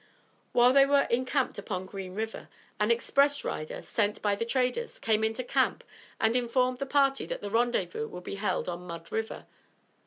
While they were encamped upon Green River, an express rider, sent by the traders, came into camp and informed the party that the rendezvous would be held on Mud River.